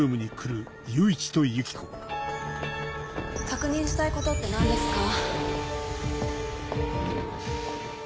確認したいことって何ですか？